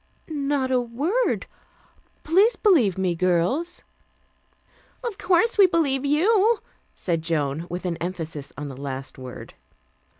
"Not a word. Please believe me, girls." "Of course we believe you," said Joan, with an emphasis on the last word.